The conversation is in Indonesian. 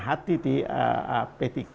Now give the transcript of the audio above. hati di p tiga